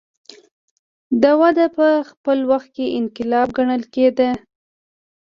دا وده په خپل وخت کې انقلاب ګڼل کېده.